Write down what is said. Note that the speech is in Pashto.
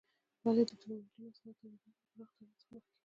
ولې د ټېکنالوجۍ محصولاتو تولیدونکي د پراخه تولید څخه مخکې؟